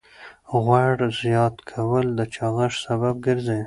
غوړ زیات کول د چاغښت سبب ګرځي.